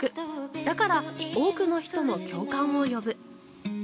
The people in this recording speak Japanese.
だから、多くの人の共感を呼ぶ。